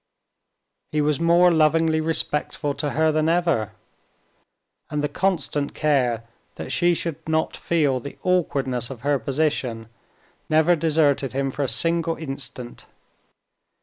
He was more lovingly respectful to her than ever, and the constant care that she should not feel the awkwardness of her position never deserted him for a single instant.